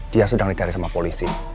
dia sedang dicari sama polisi